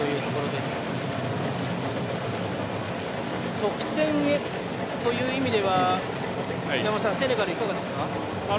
得点へという意味ではセネガル、いかがですか？